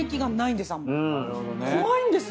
怖いんです！